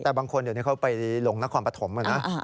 แต่บางคนเดี๋ยวนี้เขาไปลงนครปฐมนะ